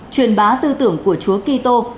truyền bá tư tưởng của chúa kỳ tô